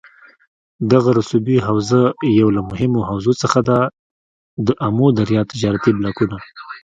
دغه رسوبي حوزه یوه له مهمو حوزو څخه ده دآمو دریا تجارتي بلاکونه